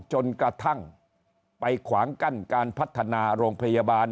จนกระทั่งไปขวางกั้นการพัฒนาโรงพยาบาล